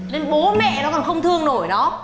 nên bố mẹ nó còn không thương nổi nó